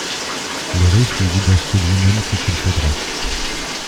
Le riche lui dit d'acheter lui-même ce qu'il faudra.